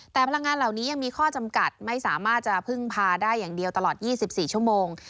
แต่พลังงานเหล่านี้ยังมีข้อจำกัดไม่สามารถจะพึ่งพาได้อย่างเดียวตลอด๒๔ชั่วโมง